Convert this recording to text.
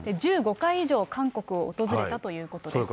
１５回以上韓国を訪れたということです。